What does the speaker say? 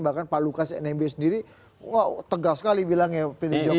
bahkan pak lukas nmb sendiri kok tegas sekali bilang ya pilih jokowi